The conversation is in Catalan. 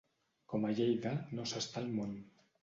Com a Lleida no s'està al món.